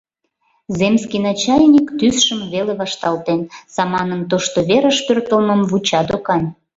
Земский начальник тӱсшым веле вашталтен, саманын тошто верыш пӧртылмым вуча докан.